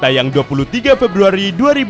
tayang dua puluh tiga februari dua ribu dua puluh